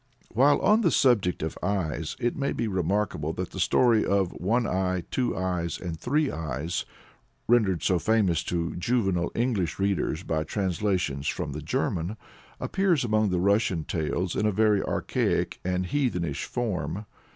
While on the subject of eyes, it may be remarked that the story of "One Eye, Two Eyes, and Three Eyes," rendered so familiar to juvenile English readers by translations from the German, appears among the Russian tales in a very archaic and heathenish form.